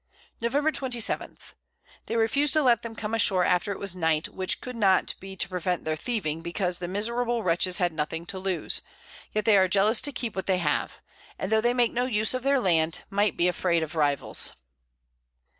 Nov. 27. They refus'd to let them come ashore after it was Night, which could not be to prevent their thieving, because the miserable Wretches had nothing to lose; yet they are jealous to keep what they have; and though they make no Use of their Land, might be afraid of Rivals.